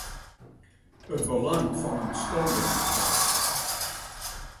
It belang fan in standerttaal.